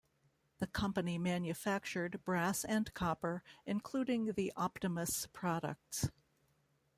The company manufactured brass and copper, including the Optimus products.